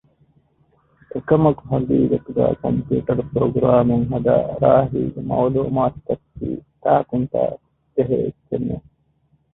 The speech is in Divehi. އެކަމަކު ޙަޤީޤަތުގައި ކޮމްޕިއުޓަރު ޕްރޮގްރާމުން ހަދާ ރާހީގެ މަޢުލޫމާތު ތަކަކީ ތާނކުންތާކު ޖެހޭ އެއްޗެއް ނޫން